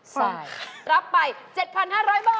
รับไป๗๕๐๐บาท